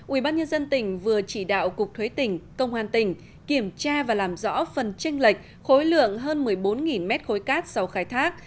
ubnd tỉnh vừa chỉ đạo cục thuế tỉnh công an tỉnh kiểm tra và làm rõ phần tranh lệch khối lượng hơn một mươi bốn mét khối cát sau khai thác